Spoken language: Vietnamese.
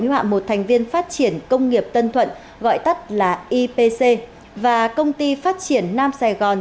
hạ một thành viên phát triển công nghiệp tân thuận gọi tắt là ipc và công ty phát triển nam sài gòn